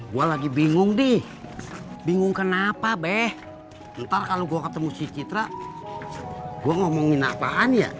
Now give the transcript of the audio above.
gua lagi bingung di bingung kenapa beh ntar kalau gua ketemu si citra gua ngomongin apaan